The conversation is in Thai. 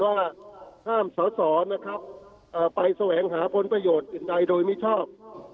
ว่าห้ามสอสอนะครับไปแสวงหาผลประโยชน์อื่นใดโดยมิชอบ